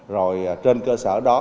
rồi trên cơ sở đó